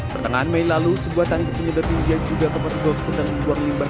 pertengahan mei lalu sebuah tangki penyedotin jayang juga keperduan sedang membuang limbah